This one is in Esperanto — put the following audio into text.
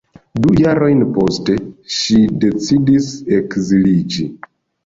Du jarojn poste ŝi decidas ekziliĝi.